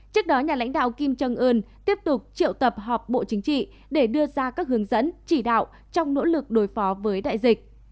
trước đó nhà lãnh đạo kim trân ưn tiếp tục triệu tập họp bộ chính trị để đưa ra các hướng dẫn chỉ đạo trong nỗ lực đối phó với đại dịch